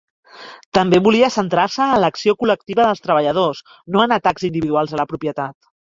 També volia centrar-se en l'acció col·lectiva dels treballadors, no en atacs individuals a la propietat.